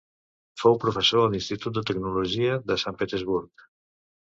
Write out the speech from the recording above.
Fou professor a l'Institut de Tecnologia de Sant Petersburg.